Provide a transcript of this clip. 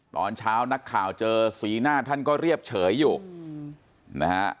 ตอนเช้านักข่าวเจอสีหน้าท่านก็เรียบเฉยอยู่นะฮะ